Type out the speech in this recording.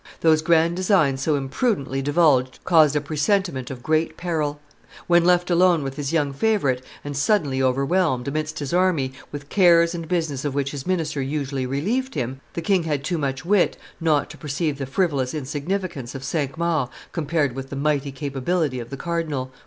Those grand designs so imprudently divulged caused a presentiment of great peril. When left alone with his young favorite, and suddenly overwhelmed, amidst his army, with cares and business of which his minister usually relieved him, the king had too much wit not to perceive the frivolous insignificance of Cinq Mars compared with the mighty capability of the cardinal.